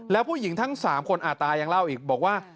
แล้วผู้หญิงทั้ง๓คนอาตายังเล่าอีกบอกว่า